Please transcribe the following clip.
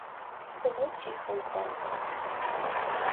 Было ціха ў парку.